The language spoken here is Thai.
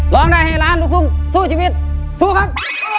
ร้องได้ให้ล้านลูกทุ่งสู้ชีวิตสู้ครับ